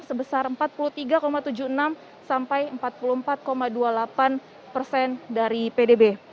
sebesar empat puluh tiga tujuh puluh enam sampai empat puluh empat dua puluh delapan persen dari pdb